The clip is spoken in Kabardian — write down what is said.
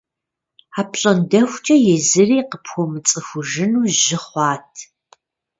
АпщӀондэхукӀэ езыри къыпхуэмыцӀыхужыну жьы хъуат.